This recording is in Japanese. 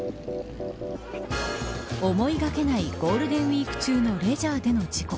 思いがけないゴールデンウイーク中のレジャーでの事故。